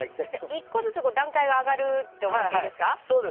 一個ずつ段階が上がると思っていいですか？